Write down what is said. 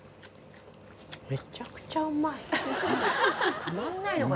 めちゃくちゃうまい。